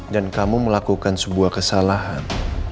dan kamu melakukan sebuah kesalahan